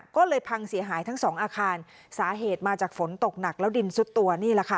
ก็เลยพังเสียหายทั้งสองอาคารสาเหตุมาจากฝนตกหนักแล้วดินซุดตัวนี่แหละค่ะ